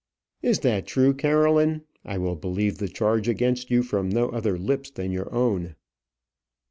"Is that true, Caroline? I will believe the charge against you from no other lips than your own."